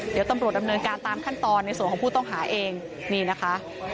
เดี๋ยวตำรวจดำเนินการตามขั้นตอนในส่วนของผู้ต้องหาเองนี่นะคะ